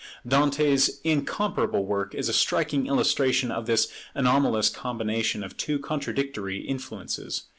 Dante's incomparable work is a striking illustration of this anomalous combination of two contradictory influences.